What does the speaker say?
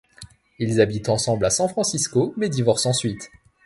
Ils habitent ensemble à San Francisco, mais divorcent ensuite.